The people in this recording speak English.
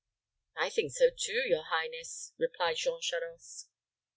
"I think so too, your highness," replied Jean Charost.